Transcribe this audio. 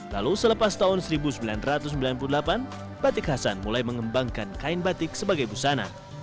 lalu selepas tahun seribu sembilan ratus sembilan puluh delapan batik hasan mulai mengembangkan kain batik sebagai busana